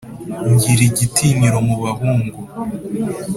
Ngira igitinyiro mu bahungu,